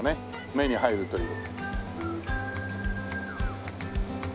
目に入るという。